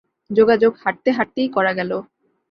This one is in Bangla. যোগাযোগ হাঁটতে হাঁটতেই করা গেল।